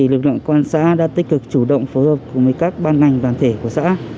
lực lượng quan xã đã tích cực chủ động phối hợp với các ban ngành đoàn thể của xã